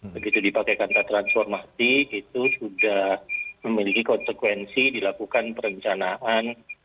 begitu dipakai kata transformasi itu sudah memiliki konsekuensi dilakukan perencanaan